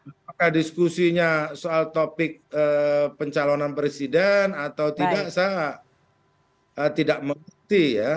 apakah diskusinya soal topik pencalonan presiden atau tidak saya tidak mengerti ya